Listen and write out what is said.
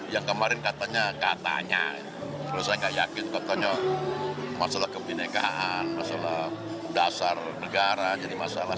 yang kemarin katanya katanya terus saya nggak yakin katanya masalah kebenekaan masalah dasar negara jadi masalah